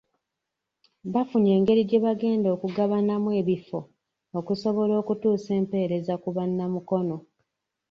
Bafunye engeri gye bagenda okugabanamu ebifo, okusobola okutuusa empeereza ku Bannamukono.